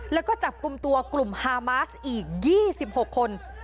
แล้วก็จับกลุ่มตัวกลุ่มฮามาสอีก๒๖คน